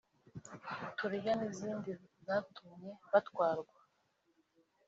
“Tulia” n’izindi zatumye batwarwa